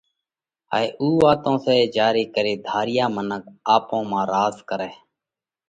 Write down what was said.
هائي اُو واتون سئہ جيا ري ڪري ڌاريا منک آپون مانه راز ڪرئه